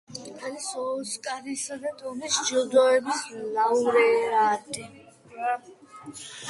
არის ოსკარისა და ტონის ჯილდოების ლაურეატი.